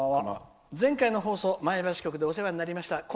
前回の放送前橋局でお世話になりました。